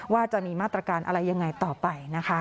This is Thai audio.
ว่าจะมีมาตรการอะไรยังไงต่อไปนะคะ